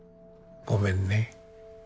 ごめんね。